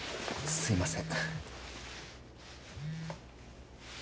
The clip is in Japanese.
すいません